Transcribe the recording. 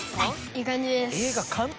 いい感じです。